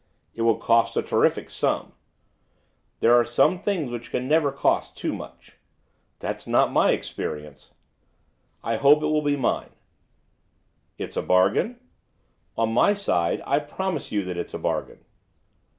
'It will cost a terrific sum.' 'There are some things which never can cost too much.' 'That's not my experience.' 'I hope it will be mine.' 'It's a bargain?' 'On my side, I promise you that it's a bargain.